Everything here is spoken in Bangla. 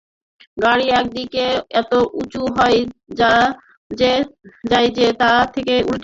গাড়ি এক দিকে এত উঁচু হয়ে যায় যে, কাত হয়ে উল্টে যাচ্ছিল।